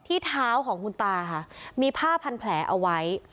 ที่เท้าของคุณตาค่ะมีผ้าพันแผลเอาไว้